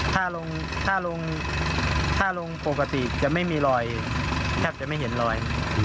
ถ้าลงถ้าลงปกติจะไม่มีรอยแทบจะไม่เห็นรอย